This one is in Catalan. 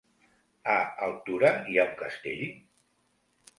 A Altura hi ha un castell?